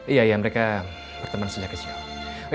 iya ya mereka berteman sejak kecil